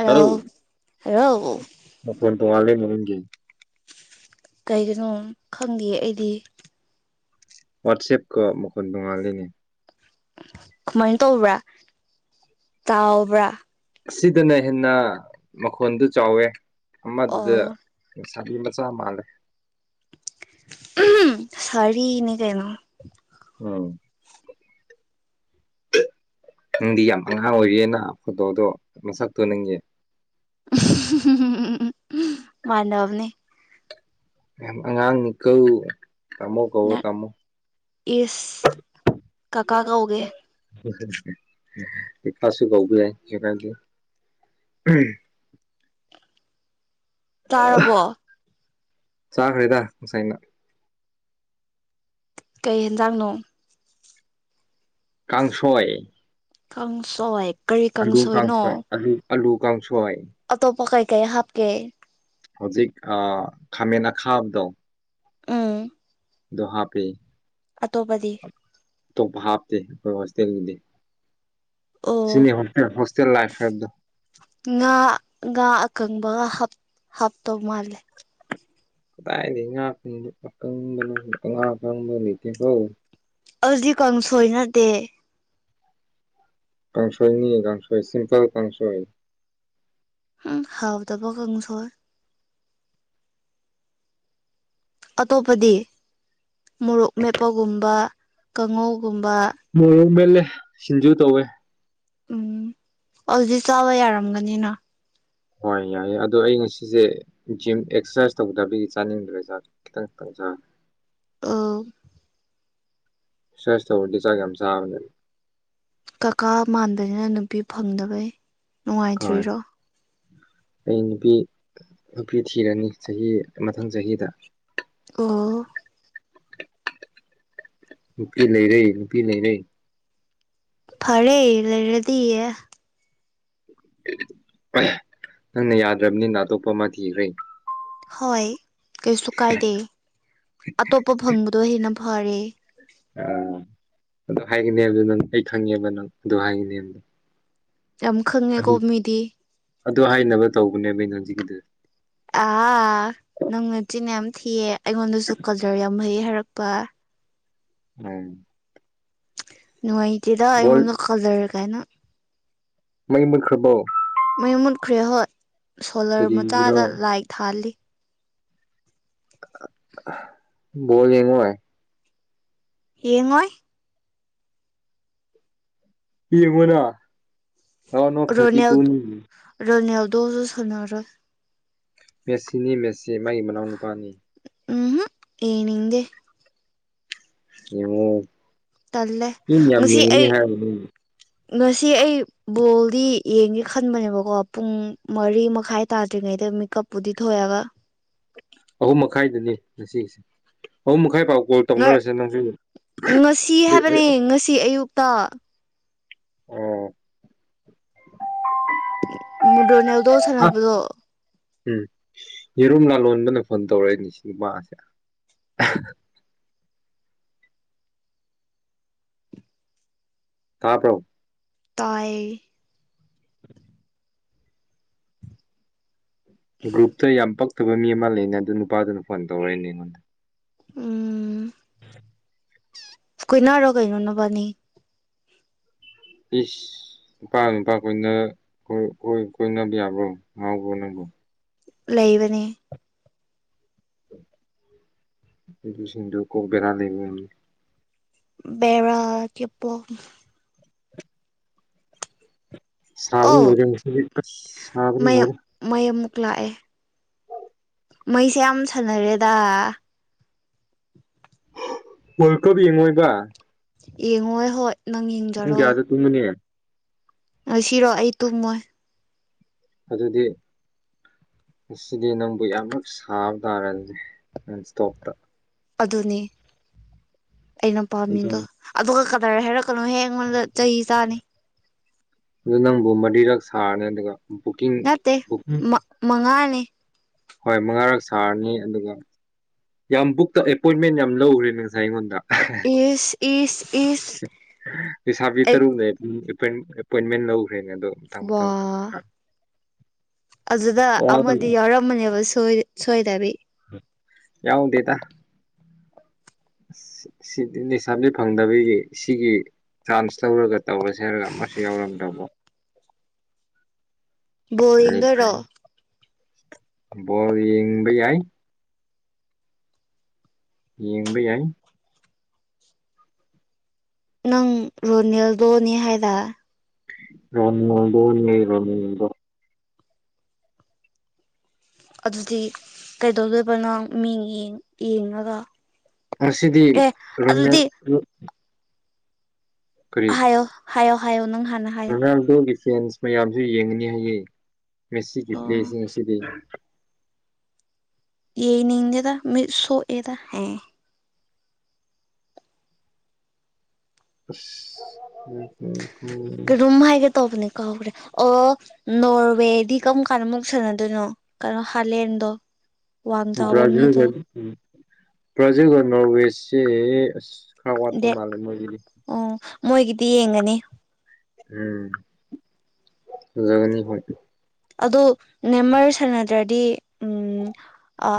ꯥꯎ ꯇꯔꯧ ꯔꯣ ꯣꯍꯂ ꯃꯟꯒꯦ ꯀꯩꯒꯤꯅꯣ ꯈꯪꯗꯦ ꯑꯩꯗꯤ ꯋꯥꯠꯁꯦꯞ ꯀ ꯃꯈꯣꯟꯟ ꯅꯨꯡꯉꯜꯂꯤꯅꯦ ꯀꯃꯥꯏꯅ ꯇꯧꯕ꯭ꯔꯥ ꯇꯥꯎꯕ꯭ꯔꯥ ꯑꯁꯤꯗꯅ ꯍꯦꯟꯅ ꯃꯈꯣꯟꯗꯨ ꯆꯥꯎꯋꯦ ꯑꯃꯗꯨꯗ ꯑꯣ ꯆꯔꯤꯝꯕ ꯆ ꯃꯥꯅꯦꯦ ꯁꯔꯤꯅꯦ ꯀꯥꯏꯩꯅꯣ ꯎꯝ ꯅꯪꯗꯤ ꯌꯥꯝ ꯑꯉꯥꯡ ꯑꯣꯏꯔꯤꯦꯅ ꯐꯣꯇꯣꯗꯣ ꯃꯁꯛꯇꯣ ꯅꯉꯦ ꯃꯥꯅ ꯑꯃꯅꯤ ꯑꯉꯥꯡ ꯅꯤꯀ ꯇꯃꯣ ꯀ ꯅꯠ ꯇꯃꯣ ꯏꯁ ꯀꯀꯥ ꯀꯧꯒꯦ ꯐꯥꯁꯁꯨꯕꯥꯎꯕ ꯌꯥꯏ ꯆꯔꯗꯤ ꯎ ꯇꯥꯔꯔꯕꯣ ꯆꯥ ꯈꯔꯤꯗ ꯀꯁꯥꯏꯅ ꯀꯩ ꯌꯦꯦꯟꯖꯥꯡꯅꯣ ꯀꯥꯡꯁꯣꯏ ꯀꯥꯡꯪꯁꯣꯏ ꯀꯔꯤ ꯀꯥꯡꯁꯣꯏꯅꯣ ꯑꯂ ꯀꯥꯎ ꯑꯇꯣꯞ ꯄ ꯀꯩ ꯀꯩ ꯍꯥꯞꯀꯦ ꯍꯧꯖꯤꯛ ꯈꯥꯃꯅꯥ ꯈꯥꯕꯗꯣ ꯎꯝ ꯣ ꯍꯥꯥ ꯄꯦ ꯑꯇꯣꯞꯄꯗꯤ ꯑꯇꯣꯞꯄ ꯍꯥꯞꯇꯦ ꯑꯩꯈꯣꯏ ꯍꯣꯁꯇꯦꯜꯒꯤꯗꯤ ꯑꯣ ꯁꯤꯅꯤ ꯆ ꯂꯥꯏ ꯐꯦꯕꯣ ꯉꯥ ꯉꯥ ꯑꯀꯪꯕꯒ ꯍꯥꯞꯇꯧ ꯃꯥꯜꯂꯦ ꯀꯗꯥꯥꯏ ꯉ ꯉ ꯀꯪꯕ ꯍꯣ ꯍꯧꯗꯤ ꯀꯥꯡꯁꯣꯏ ꯅꯠꯇꯦ ꯀꯥꯡꯁꯣꯏꯅꯤ ꯀꯁꯣꯏ ꯁꯤꯝꯄꯜ ꯀꯥꯡꯁꯣꯏ ꯎ ꯍꯥꯎꯗꯕꯣ ꯀꯥꯡꯉꯁꯣꯔ ꯑꯇꯣꯞꯄꯗꯤ ꯃꯣꯔꯣꯛ ꯃꯦꯠꯄꯒꯨꯝꯕ ꯀꯥꯡꯉꯧ ꯃꯣꯔꯣꯡ ꯃꯦꯜꯂꯦ ꯁꯤꯡꯖꯨ ꯇꯧꯋꯦ ꯎꯝ ꯍꯧꯗꯤ ꯆꯥꯕ ꯌꯥꯔꯝꯒꯅꯤꯅ ꯍꯣꯏ ꯌꯥꯏꯌꯦꯦ ꯑꯗꯣ ꯑꯩ ꯉꯁꯤꯁꯦ ꯖꯤꯝ ꯑꯦꯛꯁꯔꯁꯥꯏꯁ ꯇꯧꯗꯕꯒꯤ ꯆꯥꯅꯤꯡꯗ꯭ꯔꯦꯖꯥꯠ ꯈꯤꯇꯪ ꯑꯆꯥ ꯑ ꯁ꯭ꯦꯁꯇ ꯗꯤ ꯆꯒ ꯑꯦꯝꯁ ꯑꯅꯦꯔꯤ ꯀꯀꯥ ꯃꯥꯟꯕꯅꯤꯅ ꯅꯨꯄꯤ ꯐꯪꯗꯕꯩ ꯍꯣꯏ ꯅꯨꯡꯉꯥꯏꯇ꯭ꯔꯤꯔꯣ ꯑꯩ ꯅꯨꯄꯤ ꯅꯨꯄꯤ ꯊꯤꯔꯅꯤ ꯆꯍꯤ ꯃꯊꯪ ꯆꯍꯤꯗ ꯑꯣ ꯅꯨꯄꯤ ꯂꯩꯔ ꯅꯨꯄꯤ ꯂꯩꯔ ꯐꯔꯦ ꯂꯩꯔꯗꯤ ꯑꯦ ꯅꯪꯅ ꯌꯥꯗ꯭ꯔꯕꯅꯤꯅ ꯑꯇꯣꯞꯄ ꯑꯃ ꯊꯤꯈ꯭ꯔꯦ ꯍꯣꯏ ꯀꯩꯁꯨ ꯀꯥꯏꯗꯦ ꯑꯇꯣꯞꯄ ꯐꯪꯕꯗꯣ ꯍꯦꯟꯅ ꯐꯔꯦ ꯑꯥ ꯑꯗꯨ ꯍꯥꯏꯒꯅꯦꯗꯨꯣ ꯅꯪ ꯑꯩ ꯈꯪꯉꯦꯕ ꯅꯪ ꯑꯗꯨ ꯍꯥꯏꯒꯅꯦꯦꯝꯗ ꯌꯥꯝ ꯈꯪꯉꯦꯀꯣ ꯃꯤꯗꯤ ꯑꯗꯨ ꯍꯥꯏꯅꯕ ꯇꯧꯕꯅꯦꯕꯩꯅ ꯍꯧꯖꯤꯛꯀꯤꯗ ꯑꯥ ꯅꯪꯅꯠꯇꯤꯅꯦ ꯌꯥꯝ ꯊꯤꯌꯦ ꯑꯩꯉꯣꯟꯗꯁꯨ ꯀꯜꯖꯔ ꯌꯥꯝ ꯍꯩꯌꯦ ꯍꯥꯏꯔꯛꯄ ꯎꯝ ꯅꯅꯨꯡꯉꯥꯏꯇꯦꯔ ꯕꯣꯜ ꯑꯩꯉꯣꯟꯗ ꯀꯜꯖꯔ ꯀꯥꯏꯅ ꯃꯩ ꯃꯈ꯭ꯔꯕꯧ ꯃꯩ ꯃꯨꯠꯈ꯭ꯔꯦ ꯍꯣꯠ ꯁꯣꯂꯔ ꯃꯆꯥꯗ ꯀꯔꯤꯒꯤꯔꯣ ꯂꯥꯏ ꯊꯥꯜꯂꯤ ꯣꯜ ꯌꯦꯡꯉꯥꯏ ꯍꯌꯦꯡꯉꯣꯏ ꯃꯣꯅꯥ ꯔꯥꯎꯟ ꯑꯣꯐ ꯊꯥꯔꯇꯤ ꯇꯨ ꯗꯣꯖꯣ ꯁꯅꯔꯣ ꯃꯦꯁꯤꯅꯤ ꯃꯦꯁꯤ ꯃꯥꯒꯤ ꯃꯅꯥꯎ ꯅꯨꯨꯄꯥꯅꯤ ꯎꯝ ꯌꯦꯅꯤ ꯍꯗꯦ ꯑꯣ ꯇꯜꯂꯦ ꯏ ꯉꯁꯤ ꯑꯩ ꯍꯥꯏ ꯉꯁꯤ ꯑꯩ ꯕꯣꯜꯗꯤ ꯌꯦꯡꯒꯦ ꯈꯟꯕꯅꯦꯕꯀꯣ ꯄꯨꯡ ꯃꯔꯤ ꯃꯈꯥꯏ ꯇꯥꯗ꯭ꯔꯤꯉꯩꯗ ꯃ ꯀꯞꯄꯨꯗꯤ ꯊꯣꯌꯥ ꯋꯥ ꯑꯍꯨꯝ ꯃꯈꯥꯏꯗꯨꯅꯦ ꯉꯁꯤꯒꯤꯁꯦ ꯑꯍꯨꯝ ꯃꯈꯥꯏ ꯑꯩꯥꯏ ꯄꯥꯎ ꯀꯣꯜ ꯇꯧꯅꯔꯁꯦ ꯅꯪꯁꯨ ꯀꯨꯇꯥ ꯎꯝ ꯃꯗꯅꯦ ꯌꯥꯎꯗꯣ ꯑꯥ ꯁꯅꯄꯗꯣ ꯎꯝ ꯌꯦꯔꯨꯝ ꯂꯥꯂꯣꯟꯕꯅ ꯐꯣꯟ ꯇꯧꯔꯛꯏ ꯂꯤꯁꯤꯡꯃꯥꯁꯦ ꯀ ꯄꯣ ꯇꯥꯏ ꯒ꯭ꯔꯨꯞꯇ ꯌꯥꯝ ꯄꯛꯇꯕ ꯃꯤ ꯑꯃ ꯂꯩꯅꯦ ꯑꯗꯨ ꯅꯨꯄꯥꯗꯨꯅ ꯐꯣꯟ ꯇꯧꯔꯛꯏꯅꯦ ꯑꯩꯉꯣꯟꯗ ꯎꯝ ꯎꯝ ꯀꯣꯏꯅꯔꯣꯒꯅꯅ ꯄꯅꯤ ꯏꯁꯁ ꯅꯨꯄꯥ ꯅꯨꯄꯥ ꯀꯣꯏ ꯀꯣꯏꯅꯕ ꯌꯥꯕ꯭ꯔꯣ ꯉꯥꯎꯕ꯭ꯔꯣ ꯅꯪꯕꯨ ꯂꯩꯕꯅꯦ ꯁꯤꯟꯗ ꯀꯨ ꯦꯗꯥ ꯂꯩꯕ ꯃꯤ ꯕꯦꯔ ꯀꯦꯞꯄꯣꯝ ꯁꯥꯕ ꯑꯧ ꯃꯔ ꯃꯩ ꯁꯥꯕꯔ ꯃꯩ ꯑꯃꯨꯛ ꯂꯥꯛꯑꯦ ꯃꯩꯁꯦ ꯌꯥꯝ ꯁꯥꯟꯅꯔꯦꯗ ꯋꯥꯔꯜ ꯀꯞ ꯌꯦꯡꯉꯣꯏꯕ ꯌꯦꯡꯉꯣꯏ ꯍꯣꯏ ꯅꯪ ꯁꯨꯡ ꯀ ꯌꯥꯗ ꯇꯨꯝꯃꯤꯅꯤ ꯁꯤꯔꯣ ꯑꯩ ꯇꯨꯝꯃꯣꯏ ꯑꯗꯨꯗꯤ ꯑꯁꯤꯗꯤ ꯅꯪꯕꯨ ꯌꯥꯝꯅ ꯁꯥꯕ ꯇꯥꯔꯅꯦ ꯅ ꯏꯁꯇꯣꯛꯇ ꯑꯗꯨꯅꯦ ꯑꯩꯅ ꯄꯥꯝꯃꯤꯗꯣ ꯑꯗꯨ ꯑꯗꯨꯒ ꯀꯗꯥꯏ ꯍꯥꯏꯔꯛ ꯁꯀꯂꯨ ꯍꯦꯡ ꯃ ꯆꯍꯤ ꯆꯍꯤ ꯆꯥꯅꯤ ꯑꯗꯨ ꯅꯪꯕꯨ ꯃꯔꯤꯔꯛ ꯁꯥꯔꯅꯤ ꯑꯗꯨꯒ ꯕꯨꯀꯤꯡ ꯅꯠꯇꯦ ꯕꯨꯀꯤ ꯃꯉꯥꯅꯤ ꯍꯣꯏ ꯃꯉꯥꯔꯛ ꯁꯥꯔꯅꯤ ꯑꯗꯨꯒ ꯌꯥꯝ ꯕꯨꯛꯇ ꯑꯦꯄꯣꯏꯟꯃꯦꯟ ꯌꯥꯝ ꯂꯧꯈꯔꯦ ꯉꯁꯥꯏ ꯑꯩꯉꯣꯟꯗ ꯏꯁ ꯏꯁ ꯏꯁ ꯂꯩꯁꯥꯕꯤ ꯑꯩ ꯇꯔꯨꯛꯅꯦꯝ ꯑꯦꯄꯣꯏꯟꯃꯦꯟ ꯂꯧꯈ꯭ꯔꯦꯅꯦ ꯑꯗꯣ ꯃꯇꯥꯡ ꯋꯥ ꯃꯇꯥꯡ ꯑꯗꯨꯗ ꯑꯃꯗꯤ ꯌꯥꯎꯔꯝꯝꯕꯅꯦꯕ ꯁꯣꯏꯗꯕꯤ ꯌꯥꯎꯗꯦ ꯇ ꯁꯤꯗꯤ ꯁꯥꯞꯂꯤ ꯐꯪꯗꯕꯒꯤ ꯁꯤꯒꯤ ꯆꯥꯟꯁ ꯂꯧꯔꯒ ꯇꯧꯔꯁꯦ ꯍꯥꯏꯔꯒ ꯑꯃꯁꯨ ꯌꯥꯎꯔꯝꯗꯕꯣ ꯕꯋꯒꯔꯣ ꯑꯕꯣ ꯏꯕꯩꯏ ꯌꯦꯡꯕ ꯌꯥꯏ ꯅꯪ ꯔꯣꯅꯤꯜꯗꯣꯅꯦ ꯍꯥꯏꯔ ꯔꯟꯃꯜꯗꯣ ꯔꯣꯟꯃꯜꯗ ꯑꯗꯨꯗꯤ ꯀꯩꯗꯧꯗꯣꯏꯕꯅꯣ ꯃꯤꯡ ꯌꯦꯡꯉꯒ ꯑ ꯁꯤꯗꯤ ꯑꯦ ꯔꯅ ꯑꯗꯨꯗꯤ ꯍꯥꯏꯌꯣ ꯍꯥꯏꯌꯣ ꯍꯥꯏꯌꯣ ꯅꯪ ꯍꯥꯟꯅ ꯍꯥꯏꯌꯣ ꯅꯥꯟ ꯇꯣꯅꯤ ꯆꯦꯟꯁ ꯃꯌꯥꯝꯁꯨ ꯌꯦꯡꯉꯅꯤ ꯍꯌꯦ ꯉꯁꯤꯒꯤ ꯑꯣ ꯄ꯭ꯂꯦꯁꯤꯡ ꯑꯁꯤꯗꯤ [inaudible] ꯌꯦ ꯅꯗꯦꯗ ꯃꯤ ꯁꯣ ꯑꯦꯗ ꯍꯦ ꯎ ꯎꯝ ꯀꯩꯅꯣꯝ ꯎꯝ ꯍꯥꯏꯒꯦ ꯇꯧꯕꯅꯦ ꯀꯥꯎꯈ꯭ꯔꯦ ꯑꯣ ꯅꯣꯔꯋꯦꯗꯤ ꯀꯔꯝ ꯀꯥꯟꯅ ꯃꯨꯛ ꯁꯥꯟꯅꯗꯣꯏꯅꯣ ꯀꯩꯅꯣ ꯍꯥꯂꯦꯟ ꯍꯗ ꯕ꯭ꯔꯥꯖꯤꯒ ꯎꯝ ꯄ꯭ꯔꯣꯖꯦꯛꯗ ꯅꯣꯔꯋꯦꯁꯁꯦ ꯑꯁ ꯈꯔ ꯋꯥꯠꯄ ꯗꯦꯠ ꯃꯥꯜꯂꯦ ꯃꯣꯏꯒꯤꯗꯤ ꯑꯣ ꯃꯣꯏꯒꯤꯗꯤ ꯌꯦꯡꯒꯅꯤ ꯎꯝ ꯖꯒꯅꯤ ꯍꯣꯢ ꯑꯗꯨ ꯅꯦꯝꯃꯔ ꯁꯥꯟꯅꯗ꯭ꯔꯗꯤ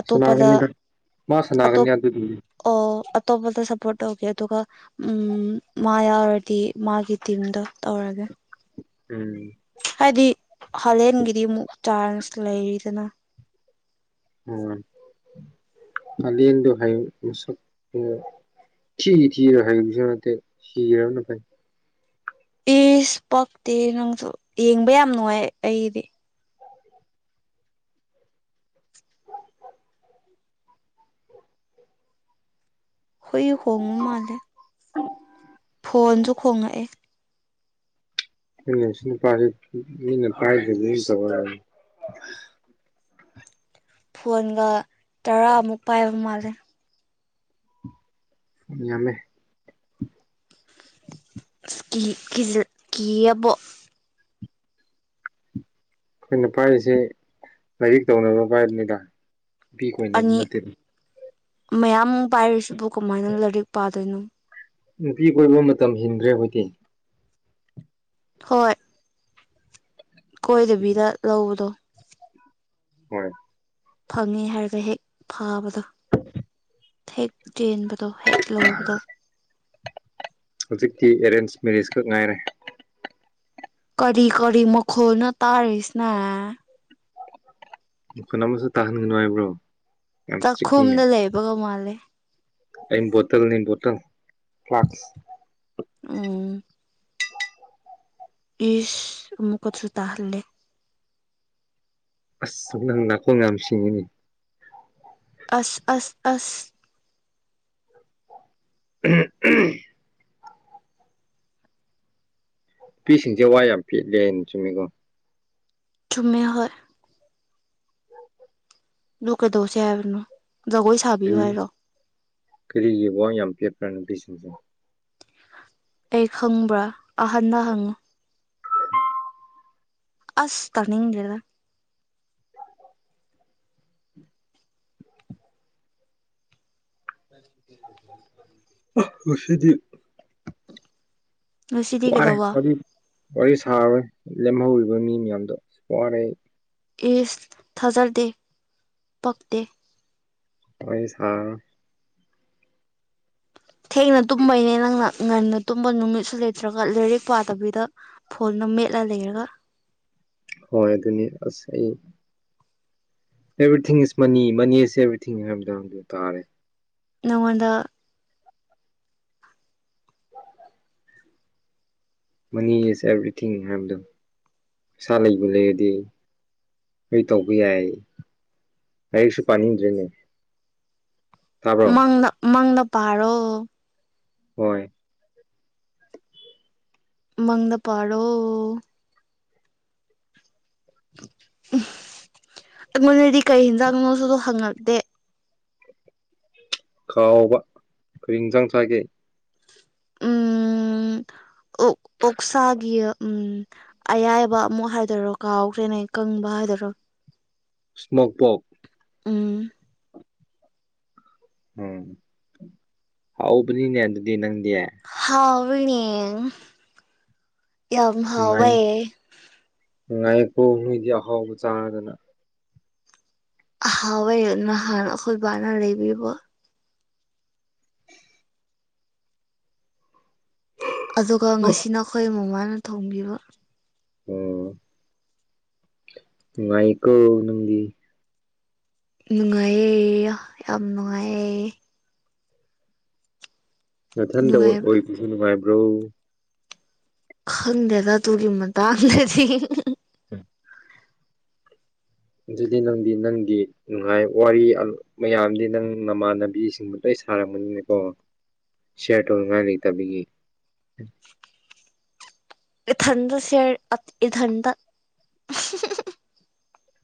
ꯑꯇꯣꯞꯄꯗ ꯁꯥꯟꯅꯒꯅꯤꯗ ꯃꯥ ꯑꯇꯣꯞ ꯁꯥꯟꯅꯒꯅꯤ ꯑꯗꯨꯗꯤ ꯑꯇꯣꯞꯄꯗ ꯁꯞꯄꯣꯔꯠ ꯇꯧꯒꯦ ꯑꯗꯨꯒ ꯎ ꯃꯥ ꯌꯥꯎꯔꯗꯤ ꯃꯥꯒꯤ ꯇꯤꯝꯗ ꯇꯧꯔꯅꯤ [unintelligible] ꯎꯝ ꯍꯥꯏꯗꯤ ꯍꯂꯦꯟꯒꯤꯗꯤ ꯑꯃꯨꯛ ꯆꯥꯟꯁ ꯂꯩꯔꯤꯗꯅ ꯎ ꯑꯗꯤ ꯍꯥꯏꯁ ꯊ ꯊ ꯍꯥꯏꯁꯅ ꯁꯤ ꯔꯅ ꯐꯥꯏ ꯏꯁ ꯄꯛꯇꯦ ꯅꯪꯁꯨ ꯌꯦꯡꯕ ꯌꯥꯝ ꯅꯨꯡꯉꯥꯏ ꯑꯩꯗꯤ ꯍꯣꯏ ꯍꯣꯡꯉꯨ ꯃꯥꯂꯦ ꯑ ꯄ ꯃꯤꯅꯦ ꯄꯥꯏꯗꯨ ꯈꯔ ꯐꯣꯟꯒ ꯇꯔꯥꯃꯨꯛ ꯄꯥꯏꯕ ꯃꯥꯜꯂꯦ ꯉꯝꯃꯦ ꯀꯤꯑꯕꯣ ꯑꯩꯈꯣꯏꯅ ꯄꯥꯏꯔꯤꯁꯤ ꯂꯥꯏꯔꯤꯛ ꯇꯧꯅꯕ ꯄꯥꯏꯕꯅꯤꯗ ꯕꯤꯛ ꯑꯣꯏꯅꯝ ꯑꯅꯤ ꯅꯠꯇꯦ ꯃꯌꯥꯝ ꯄꯥꯏꯔꯤꯁꯤꯕꯨ ꯀꯃꯥꯏꯅ ꯂꯥꯏꯔꯤꯛ ꯄꯥꯗꯣꯏꯅꯣ ꯅꯨꯄꯤ ꯀꯣꯏꯕ ꯃꯇꯝ ꯍꯦꯟꯈ꯭ꯔꯦ ꯑꯩꯈꯣꯏꯗꯤ ꯍꯣꯏ ꯀꯣꯏꯗꯕꯤꯗ ꯂꯧꯕꯗꯣ ꯍꯣꯏ ꯐꯪꯉꯦ ꯍꯥꯏꯔꯒ ꯍꯦꯛ ꯐꯥꯕꯗ ꯍꯦꯛ ꯆꯦꯟꯕꯗꯣ ꯍꯦꯛ ꯂꯧꯕꯗꯣ ꯍꯧꯖꯤꯛꯇꯤ ꯑꯦꯔꯦꯟꯖ ꯃꯦꯔꯤꯖꯈꯛ ꯉꯥꯏꯔꯦ ꯀꯔꯤ ꯀꯔꯤ ꯃꯈꯣꯜꯅ ꯇꯥꯔꯤꯁꯤꯅ ꯃꯈꯨꯟ ꯑꯃꯁꯨ ꯇꯥꯍꯟꯒꯅꯨ ꯍꯥꯏꯕ꯭ꯔꯣ ꯌꯥꯝ ꯏꯁꯇ꯭ꯔꯤꯛꯅꯤꯅꯦ ꯆꯥꯛꯈꯨꯝꯗ ꯂꯩꯕꯒ ꯃꯥꯜꯂꯦ ꯑꯩ ꯕꯣꯇꯜꯅꯤ ꯕꯣꯇꯜ ꯐ꯭ꯂꯥꯛꯁ ꯎ ꯏꯁ ꯎꯃꯨꯀꯠꯁꯨ ꯇꯜꯂꯦ ꯑꯁ ꯂꯪꯅ ꯀꯣ ꯉꯝ ꯁꯤꯅꯤ ꯑꯁ ꯑꯁ ꯑꯁ ꯎꯝ ꯅꯨꯄꯤꯁꯤꯡꯁꯦ ꯋꯥ ꯌꯥꯝ ꯄꯦꯠꯂꯦ ꯍꯥꯏꯅ ꯆꯨꯝꯃꯤꯀꯣ ꯆꯃꯦ ꯍ ꯂꯨ ꯀꯩꯗꯧꯁꯦ ꯍꯥꯏꯕꯅꯣ ꯖꯒꯣꯏ ꯁꯥꯕꯤꯌꯨ ꯍꯥꯏꯔꯣ ꯀꯔꯤꯒꯤꯕꯣ ꯌꯥꯝ ꯄꯤꯠꯄ꯭ꯔꯥ ꯅꯨꯄꯤꯁꯤꯡꯁꯦ ꯑꯩ ꯈꯪꯕ꯭ꯔꯥ ꯑꯍꯟꯗ ꯍꯪꯉꯨ ꯑꯁ ꯇꯅꯤꯡ ꯂꯩꯔꯗ [unintelligible] ꯍꯧꯁꯗꯤ ꯉꯁꯤꯗꯤ ꯋꯥꯔꯦ ꯀꯩꯗꯧꯕ ꯋꯥꯔꯤ ꯋꯥꯔꯤ ꯁꯥꯔꯣꯏ ꯂꯦꯝꯍꯧꯔꯤꯕ ꯃꯤ ꯃꯌꯥꯝꯗꯣ ꯑ ꯋꯥꯔꯦ ꯑꯩ ꯏꯁ ꯊꯥꯖꯗꯦ ꯄꯛꯛꯇꯦ ꯍꯣꯏ ꯁꯥꯥ ꯊꯦꯡꯅ ꯇꯨꯝꯕꯩꯅꯦ ꯅꯪꯅ ꯉꯟꯅ ꯇꯨꯝꯕ ꯅꯨꯃꯤꯠꯁꯨ ꯂꯩꯇ꯭ꯔꯒ ꯂꯥꯏꯔꯤꯛ ꯄꯥꯗꯕꯤꯗ ꯐꯣꯜꯂꯤ ꯅ ꯃꯦꯂꯗꯦꯔꯒ ꯍꯣꯏ ꯑꯗꯨꯅꯤ ꯑꯁ ꯑꯩ ꯑꯦꯚ꯭ꯔꯤꯊꯤꯡ ꯏꯁ ꯃꯅꯤ ꯃꯅꯤꯁꯦ ꯑꯦꯕ꯭ꯔꯤꯊꯤꯡ ꯍꯥꯏꯕꯗ ꯇꯥꯔꯦ ꯅꯗ ꯍ ꯃꯅꯤ ꯏꯁ ꯑꯦꯕ꯭ꯔꯤꯊꯤꯡ ꯍꯥꯏꯕꯗꯣ ꯄꯩꯁꯥ ꯂꯩꯕꯨ ꯂꯩꯔꯗꯤ ꯑꯩ ꯇꯧꯕ ꯌꯥꯏ ꯑꯩꯁꯨ ꯄꯥꯅꯤꯡꯗ꯭ꯔꯤꯅꯦ ꯃꯪꯗ ꯃꯪꯗ ꯄꯥꯔꯣ ꯍꯣꯏ ꯃꯗ ꯄꯥꯔꯣ ꯎꯝ ꯑꯩꯉꯣꯟꯗꯗꯤ ꯀꯩ ꯍꯤꯟꯖꯥꯛꯣꯁꯨ ꯑꯗꯨ ꯍꯪꯉꯛꯇꯦ ꯈꯥꯎꯕ ꯑꯩꯣꯏ ꯌꯦꯟꯁꯥꯡ ꯆꯥꯒꯦ ꯎꯝ ꯑꯣꯛ ꯑꯣꯛꯁꯥꯒꯤ ꯎꯝ ꯑꯌꯥꯏꯕ ꯑꯃꯨꯛ ꯍꯥꯏꯗꯣꯏꯔꯣ ꯀꯥꯎꯈ꯭ꯔꯦꯅꯦ ꯀꯪꯕ ꯍꯥꯏꯗꯣꯏꯔꯣ ꯁ꯭ꯅꯣꯣꯛꯄꯣꯛ ꯎꯝ ꯎꯝ ꯍꯥꯎꯕꯅꯤꯅꯦ ꯑꯗꯨꯗꯤ ꯅꯪꯗꯤ ꯍꯅꯦ ꯌꯥꯝ ꯅꯨꯡꯉꯥꯏ ꯍꯋꯦ ꯅꯨꯡꯉꯥꯏꯀꯣ ꯅꯣꯏꯗꯤ ꯑꯍꯥꯎꯕ ꯆꯥꯔꯗꯅ ꯍꯥꯎꯋꯦ ꯅꯍꯥꯟ ꯑꯩꯈꯣꯏꯕꯥꯅ ꯂꯩꯕꯤꯔꯤꯕ ꯑꯗꯨꯒ ꯉꯁꯤ ꯅ ꯑꯩꯈꯣꯏ ꯃꯃꯥꯅ ꯊꯣꯡꯕꯤꯕ ꯎꯝ ꯉꯥꯏꯀꯣ ꯅꯪꯗꯤ ꯅꯨꯡꯉꯥꯏꯌꯦ ꯌꯥꯝ ꯅꯨꯡꯉꯥꯏꯌꯦ ꯃꯊꯟꯗ ꯅꯨꯡꯉꯥꯏꯕ ꯑꯣꯏꯕꯁꯨ ꯅꯨꯡꯉꯥꯏꯕ꯭ꯔꯣ ꯍꯪꯗꯦꯗ ꯇꯨꯒꯤꯃ ꯇꯗꯦꯗꯤ ꯑꯗꯨꯗꯤ ꯅꯪꯗꯤ ꯅꯪꯗꯤ ꯅꯨꯡꯉꯥꯏ ꯋꯥꯔꯤ ꯃꯌꯥꯝꯗꯤ ꯅꯪ ꯅꯃꯥꯟꯅꯕꯤꯁꯤꯡ ꯁꯥꯔꯝꯕꯅꯤꯅꯀꯣ ꯁꯤꯌꯥꯔ ꯇꯧꯅꯤꯡꯉꯥꯏ ꯂꯩꯇꯕꯤꯒꯤ ꯊꯟꯗꯁ ꯏꯊꯟꯗ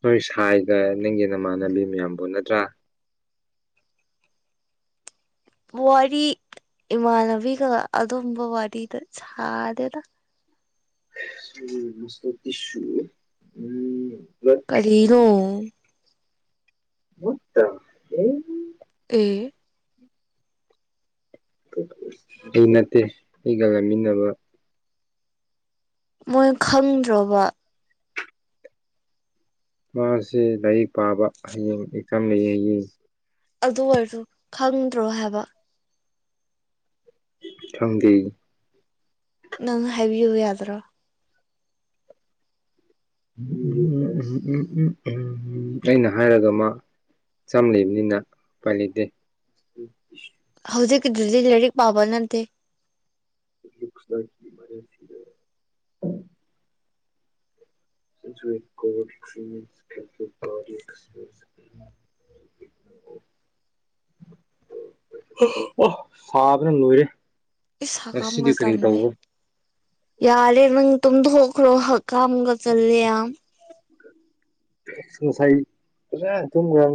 ꯅꯣꯏ ꯁꯥꯏꯒ ꯅꯪꯒꯤ ꯅꯃꯥꯟꯅꯕꯤ ꯃꯌꯥꯝꯕꯨ ꯅꯠꯇ꯭ꯔꯥ ꯋꯥꯔꯤ ꯏꯃꯥꯟꯅꯕꯤꯒ ꯑꯗꯨꯝꯕ ꯋꯥꯔꯤꯗ ꯁꯥꯗꯦꯅ ꯎ ꯃꯁꯇ ꯇꯁ ꯎꯝ ꯀꯔꯤꯅꯣ ꯃꯠꯇ ꯑꯦ ꯑꯩ ꯅꯠꯇꯦ ꯑꯩꯒ ꯂꯃꯤꯟꯅꯕ ꯃꯣꯏ ꯈꯪꯗ꯭ꯔꯕ ꯃꯥꯁꯤ ꯂꯥꯏꯔꯤꯛ ꯄꯥꯕ ꯍꯌꯦꯡ ꯑꯦꯛꯆꯝ ꯂꯩ ꯍꯥꯏꯌꯦ ꯑꯗꯨ ꯑꯣꯏꯔꯁꯨ ꯈꯪꯗ꯭ꯔꯣ ꯍꯥꯏꯕ ꯊꯪꯗꯤ ꯅꯪꯅ ꯍꯥꯏꯕꯤꯌꯨ ꯌꯥꯗ꯭ꯔꯣ ꯎ ꯎꯝ ꯎꯝ ꯎꯝ ꯎꯝ ꯎꯝ ꯎꯝ ꯎꯝ ꯎꯝ ꯑꯩꯅ ꯍꯥꯏꯔꯒ ꯃꯥ ꯆꯝ ꯂꯩꯕꯅꯤꯅ ꯄꯥꯏ ꯂꯩꯗꯦ ꯍꯧꯖꯤꯛꯀꯤꯗꯨꯗꯤ ꯂꯥꯏꯔꯤꯛ ꯄꯥꯕ ꯅꯠꯇꯦ ꯌꯛꯁꯥ ꯀ ꯃꯔꯔꯁꯤꯔ ꯀꯣ ꯀ꯭ꯔꯔꯤꯁ ꯈꯛꯇ ꯔꯤ ꯑꯦꯁꯄ꯭ꯔꯦꯁ ꯑꯣ ꯁꯥꯗꯅ ꯅꯏꯔꯦ ꯏꯁ ꯍ ꯀꯥꯝꯒꯖꯦ ꯌꯥꯔꯦ ꯅꯪ ꯇꯨ ꯙꯣꯈ ꯂꯣ ꯍꯛ ꯀꯝꯒ ꯆꯜꯂꯤ ꯑ ꯁꯥꯏ ꯊꯨꯡꯒ